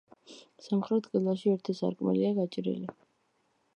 სამხრეთ კედელში ერთი სარკმელია გაჭრილი.